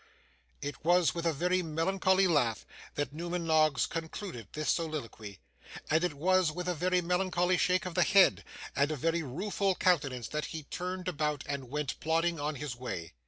It was with a very melancholy laugh that Newman Noggs concluded this soliloquy; and it was with a very melancholy shake of the head, and a very rueful countenance, that he turned about, and went plodding on his way.